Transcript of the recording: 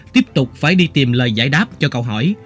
tiếp tục phải đi tìm lời giải đáp cho câu hỏi